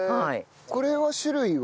これは種類は？